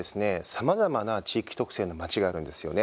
さまざまな地域特性の町があるんですよね。